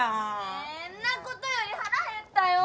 ねぇんなことより腹減ったよぉ。